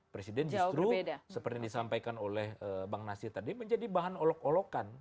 presiden justru seperti yang disampaikan oleh bang nasir tadi menjadi bahan olok olokan